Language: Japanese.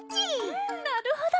うんなるほど！